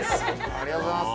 ありがとうございます。